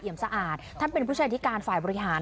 อิ่มสะอาดท่านเป็นผู้เชิญอธิการฝ่ายบริหาร